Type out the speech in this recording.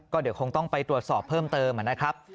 เดี๋ยวคงต้องไปตรวจสอบเพิ่มเติมนะครับ